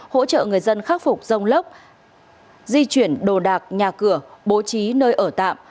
hỗ trợ người dân khắc phục rông lốc di chuyển đồ đạc nhà cửa bố trí nơi ở tạm